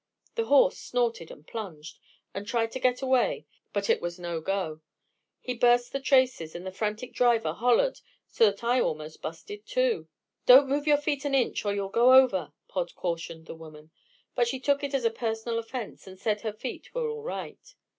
The horse snorted and plunged, and tried to get away, but it was no "go." He burst the traces, and the frantic driver hollered so that I almost "busted" too. "Don't move your feet an inch, or you'll go over," Pod cautioned the woman, but she took it as a personal offense, and said her feet were all right.